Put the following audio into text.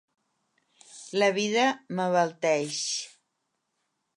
La vida m'abalteix.